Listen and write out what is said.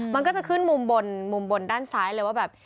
มันก็จะขึ้นมุมบนมุมบนด้านซ้ายเลยว่าแบบ